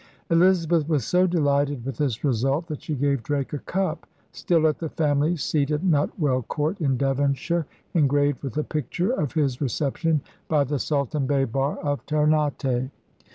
Elizabeth was so delighted with this result that she gave Drake a cup (still at the family seat of Nutwell Court in Devonshire) engraved with a picture of his reception by the Sultan Baber of Ternate.